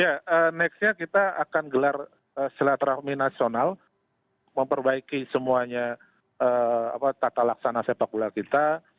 ya nextnya kita akan gelar silaturahmi nasional memperbaiki semuanya tata laksana sepak bola kita